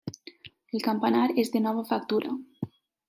El campanar és de nova factura.